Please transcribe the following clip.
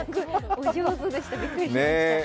お上手でした、びっくりしました。